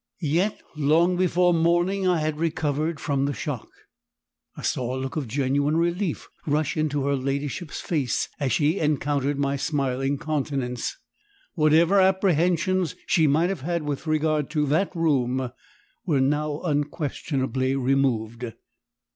Yet, long before morning I had recovered from the shock. I saw a look of genuine relief rush into her ladyship's face as she encountered my smiling countenance: whatever apprehensions she might have had with regard to THAT room were now unquestionably removed.